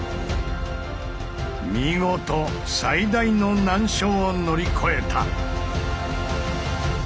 見事最大の難所を乗り越えた！